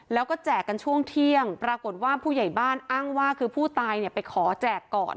แล้วก็แจกกันช่วงเที่ยงปรากฏว่าผู้ใหญ่บ้านอ้างว่าคือผู้ตายเนี่ยไปขอแจกก่อน